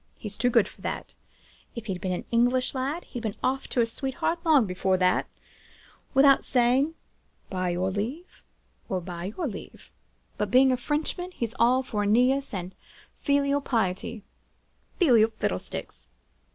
He's too good for that, if he had been an English lad, he would have been off to his sweetheart long before this, without saying with your leave or by your leave; but being a Frenchman, he is all for AEneas and filial piety,—filial fiddle sticks!